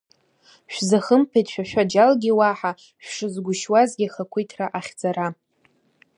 Шәзахымԥеит шәа шәаџьалгьы уаҳа, шәшазгәышьуазгьы ахақәиҭра ахьӡара.